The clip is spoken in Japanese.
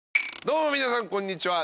どうも皆さんこんにちは。